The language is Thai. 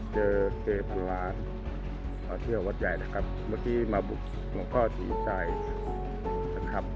เจอเจพันล้านมาเที่ยววัดใหญ่นะครับเมื่อกี้มาบุกหลวงพ่อดีใจนะครับ